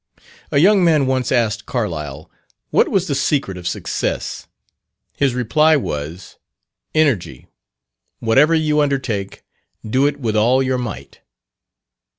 A young man once asked Carlyle, what was the secret of success. His reply was, "Energy; whatever you undertake, do it with all your might."